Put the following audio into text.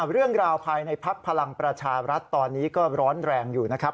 เรื่องราวภายในภักดิ์พลังประชารัฐตอนนี้ก็ร้อนแรงอยู่นะครับ